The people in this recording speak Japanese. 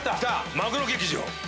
マグロ劇場！